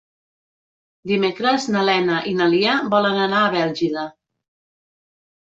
Dimecres na Lena i na Lia volen anar a Bèlgida.